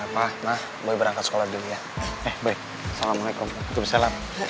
pak boleh berangkat sekolah dulu ya eh boleh salam alaikum salam